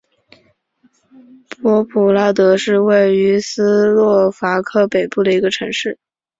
波普拉德是位于斯洛伐克北部的一个城市。